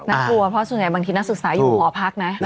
น่ากลัวเพราะส่วนใหญ่บางทีนักศึกษาอยู่หอพักนะ